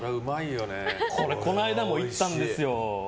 この間も行ったんですよ。